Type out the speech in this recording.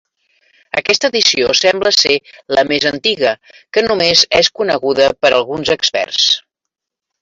Aquesta edició sembla ser la més antiga, que només és coneguda per alguns experts.